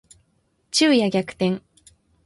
昼夜逆転